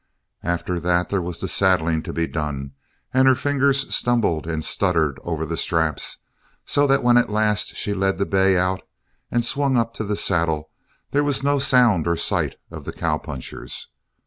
After that, there was the saddling to be done and her fingers stumbled and stuttered over the straps so that when at last she led the bay out and swung up to the saddle there was no sound or sight of the cowpunchers.